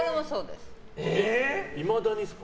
いまだにですか。